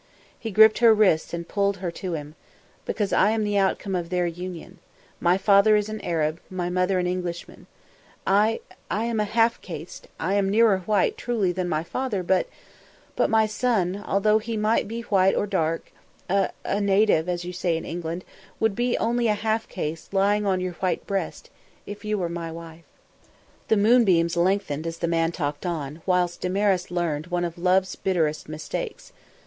He gripped her wrists and pulled her to him. "Because I am the outcome of their union. My father is an Arab, my mother an Englishwoman. I I am a half caste. I am nearer white, truly, than my father, but but my son, although he might be white or dark, a a native, as you say in England would only be a half caste lying on your white breast, if you were my wife." The moonbeams lengthened as the man talked on, whilst Damaris learned of one of love's bitterest mistakes.